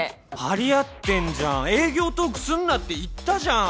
張り合ってんじゃん営業トークすんなって言ったじゃん。